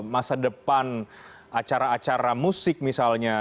masa depan acara acara musik misalnya